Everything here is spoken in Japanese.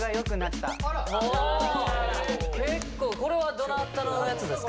結構これはどなたのやつですか？